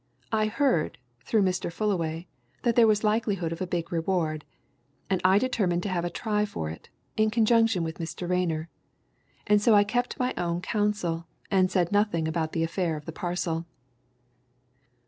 I heard, through Mr. Fullaway, that there was likelihood of a big reward, and I determined to have a try for it in conjunction with Mr. Rayner. And so I kept my own counsel I said nothing about the affair of the parcel."